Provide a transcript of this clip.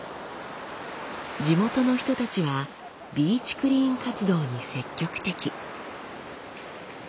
地元の人たちはビーチクリーン活動に積極的。